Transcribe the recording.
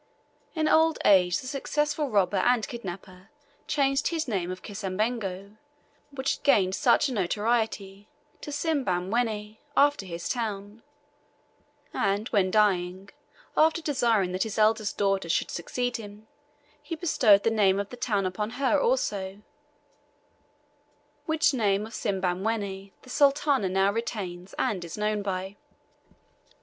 In old age the successful robber and kidnapper changed his name of Kisabengo, which had gained such a notoriety, to Simbamwenni, after his town; and when dying, after desiring that his eldest daughter should succeed him, he bestowed the name of the town upon her also, which name of Simbamwenni the Sultana now retains and is known by.